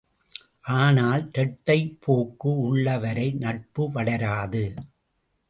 ஆனால் இரட்டைப் போக்கு உள்ளவரை நட்பு வளராது!